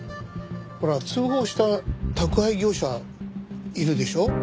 ほら通報した宅配業者いるでしょ？